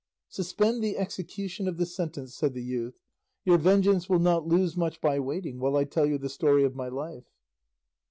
"Suspend the execution of the sentence," said the youth; "your vengeance will not lose much by waiting while I tell you the story of my life."